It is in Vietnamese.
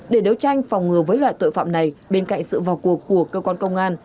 để đấu tranh phòng ngừa với loại tội phạm này bên cạnh sự vào cuộc của cơ quan công an